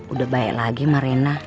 udah balik lagi sama rena